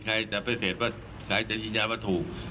ใครจะยินญาว่าถูก